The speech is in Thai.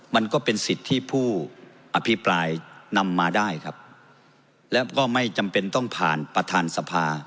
มันก็เป็นสิทธิ์ที่ผู้อภิปรายนำมาได้ครับแล้วก็ไม่จำเป็นต้องผ่านประธานสภา